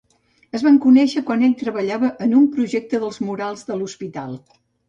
Es van conèixer quan ell treballava en un el projecte dels murals de l'hospital.